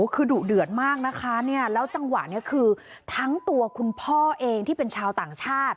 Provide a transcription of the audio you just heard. คือดุเดือดมากนะคะเนี่ยแล้วจังหวะนี้คือทั้งตัวคุณพ่อเองที่เป็นชาวต่างชาติ